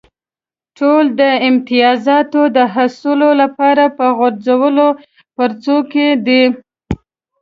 ټول د امتیازاتو د حصول لپاره په غورځو پرځو کې دي.